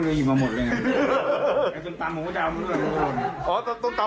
อันมูลมันได้เข้าถึงออกแล้วต้องยอมรับ